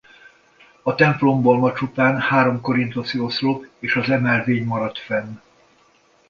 A templomból ma csupán három korinthoszi oszlop és az emelvény maradt fenn.